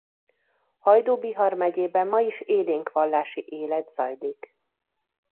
Hajdú-Bihar megyében ma is élénk vallási élet zajlik.